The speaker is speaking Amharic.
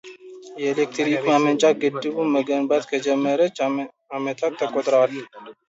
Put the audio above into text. የኤሌክትሪክ ማመንጫ ግድቡን መገንባት ከጀመረች ዓመታት ተቆጥረዋል።